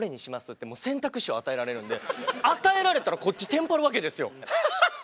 ってもう選択肢を与えられるんで与えられたらこっちテンパるわけですよ！